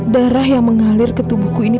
darah yang mengalir ke tubuhku ini